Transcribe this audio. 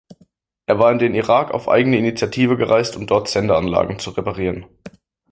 Er war in den Irak auf eigene Initiative gereist, um dort Sendeanlagen zu reparieren.